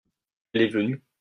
elle est venue.